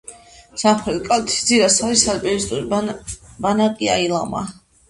სამხრეთ კალთის ძირას არის ალპინისტური ბანაკი „აილამა“.